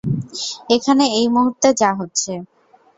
এখানে, এই মূহুর্তে যা হচ্ছে।